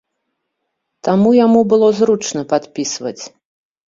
Таму яму было зручна падпісваць.